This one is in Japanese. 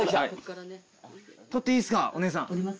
撮っていいっすかお姉さん。